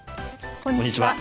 こんにちは。